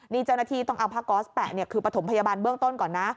นี่เจ้าหน้าที่ต้องเอาผ้าก๊อสแปะคือประถมพยาบาลเบื้องต้นก่อนนะ